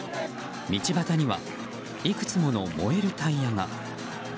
道端にはいくつもの燃えるタイヤが。